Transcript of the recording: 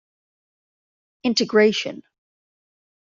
"Integration.